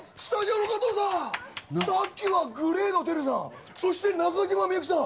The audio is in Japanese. スタジオの加藤さん、さっきはＧＬＡＹのＴＥＲＵさん、そして中島みゆきさん。